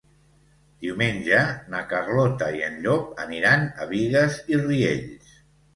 Diumenge na Carlota i en Llop aniran a Bigues i Riells.